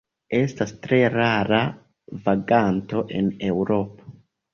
Estas tre rara vaganto en Eŭropo.